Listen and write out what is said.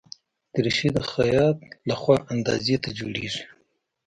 دریشي د خیاط له خوا اندازې ته جوړیږي.